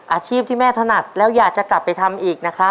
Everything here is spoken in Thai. อาชีพที่แม่ถนัดแล้วอยากจะกลับไปทำอีกนะครับ